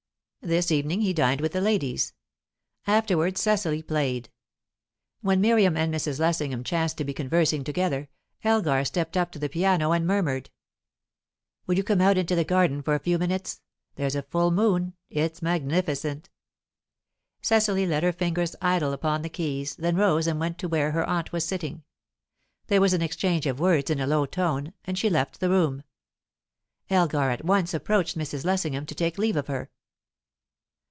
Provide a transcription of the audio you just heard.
This evening he dined with the ladies. Afterwards Cecily played. When Miriam and Mrs. Lessingham chanced to be conversing together, Elgar stepped up to the piano, and murmured: "Will you come out into the garden for a few minutes? There's a full moon; it's magnificent." Cecily let her fingers idle upon the keys, then rose and went to where her aunt was sitting. There was an exchange of words in a low tone, and she left the room. Elgar at once approached Mrs. Lessingham to take leave of her.